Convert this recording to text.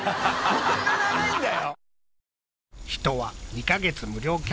こんな長いんだよ？